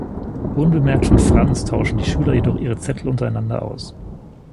Unbemerkt von Franz tauschen die Schüler jedoch ihre Zettel untereinander aus.